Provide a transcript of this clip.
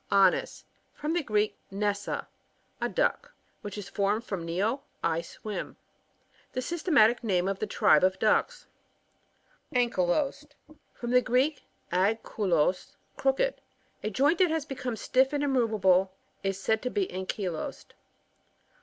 Anas. — From the Greek, nessa, a duck, which is formed from tied, I swim. The sy^tematic name of the tribe of ducks. Anchtlosed. — From the Greek, a^ kulos, crooked. A joint that has become stiff and immoveable is said to be anchylosed.